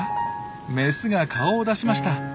メスが顔を出しました。